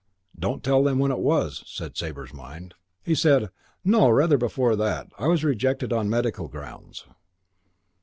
"Don't tell them when it was," said Sabre's mind. He said, "No, rather before that. I was rejected on medical grounds."